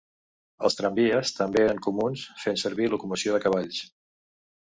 Els tramvies també eren comuns fent servir locomoció de cavalls.